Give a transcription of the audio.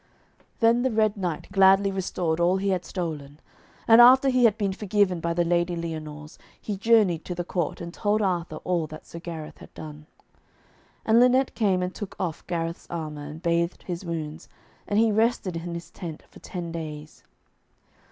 Then the Red Knight gladly restored all he had stolen. And after he had been forgiven by the Lady Lyonors, he journeyed to the court, and told Arthur all that Sir Gareth had done. And Lynette came and took off Gareth's armour and bathed his wounds, and he rested in his tent for ten days.